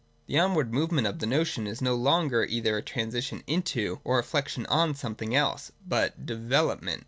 161.] The onward movement of the notion is no longer either a transition into, or a reflection on some thing else, but Development.